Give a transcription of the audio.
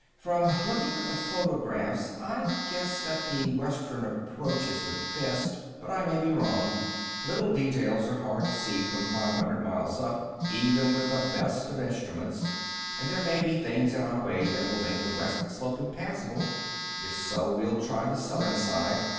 "From looking at the photographs, I'd guess that the western approach is the best. But I may be wrong. Little details are hard to see from five hundred miles up, even with the best of instruments, and there may be things in our way that will make the west slope impassible. If so, we'll try the southern side.